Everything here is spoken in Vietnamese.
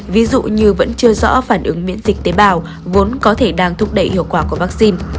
ví dụ như vẫn chưa rõ phản ứng miễn dịch tế bào vốn có thể đang thúc đẩy hiệu quả của vaccine